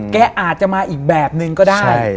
แกอาจจะมาอีกแบบนึงก็ได้